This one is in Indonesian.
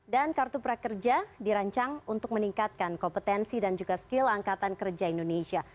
dan kartu prakerja dirancang untuk meningkatkan kompetensi dan juga skill angkatan kerja indonesia